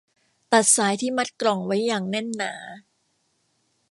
ตัดสายที่มัดกล่องไว้อย่างแน่นหนา